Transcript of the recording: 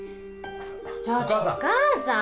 ちょっとお母さん。